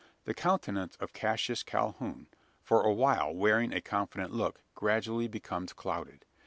The countenance of Cassius Calhoun, for a while wearing a confident look, gradually becomes clouded.